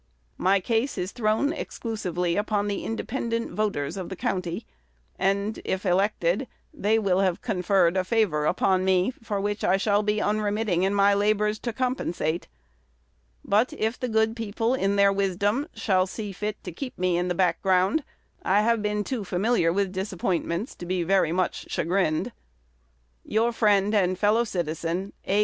My case is thrown exclusively upon the independent voters of the county; and, if elected, they will have conferred a favor upon me, for which I shall be unremitting in my labors to compensate. But, if the good people in their wisdom shall see fit to keep me in the background, I have been too familiar with disappointments to be very much chagrined. Your Friend and Fellow Citizen, A.